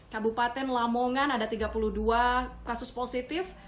kabupaten lamongan ada tiga puluh dua kasus positif